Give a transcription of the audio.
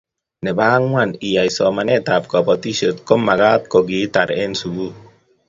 Nebo ang'wan iyae somanet ab kabatishet ko magat ko kitar eng' sukul